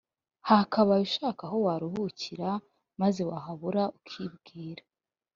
hakakaye ushaka aho waruhukira maze wahabura ukibwira